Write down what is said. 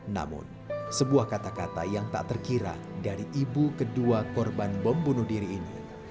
namun sebuah kata kata yang tak terkira dari ibu kedua korban bom bunuh diri ini